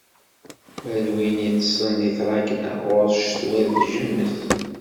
Ma d win yeṭṭsen di tṛakna, ɣur-s ccetwa d lǧennet.